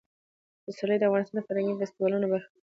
پسرلی د افغانستان د فرهنګي فستیوالونو برخه ده.